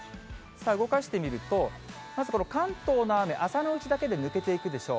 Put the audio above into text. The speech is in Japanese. さあ、動かしてみると、まずこの関東の雨、朝のうちだけで抜けていくでしょう。